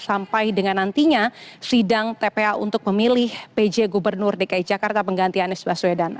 sampai dengan nantinya sidang tpa untuk memilih pj gubernur dki jakarta pengganti anies baswedan